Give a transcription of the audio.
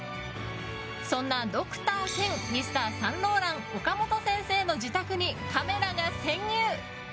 そんなドクター兼Ｍｒ．サンローラン岡本先生の自宅にカメラが潜入。